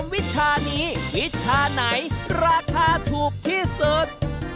วิชานี้วิชาไหนราคาถูกที่สุด